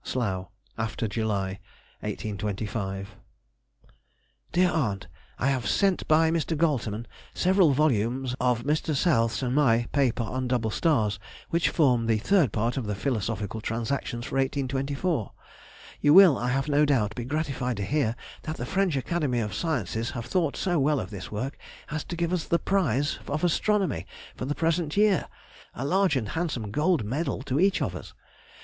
SLOUGH [after July], 1825. DEAR AUNT,— I have sent by Mr. Goltermann several volumes of Mr. South's and my paper on double stars, which form the third part of the Philosophical Transactions for 1824. You will, I have no doubt, be gratified to hear that the French Academy of Sciences have thought so well of this work as to give us the prize of astronomy for the present year (a large and handsome gold medal to each of us).